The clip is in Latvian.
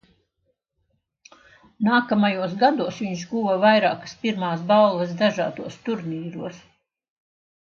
Nākamajos gados viņš guva vairākas pirmās balvas dažādos turnīros.